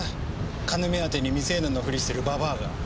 金目当てに未成年のフリしてるババアが。